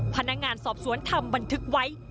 พนักงานสอบสวนทำบันทึกไว้